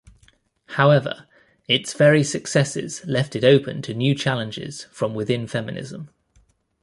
However its very successes left it open to new challenges from within feminism.